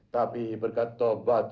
tapi berkat tobat